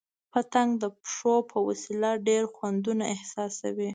پتنګ د پښو په وسیله ډېر خوندونه احساسوي.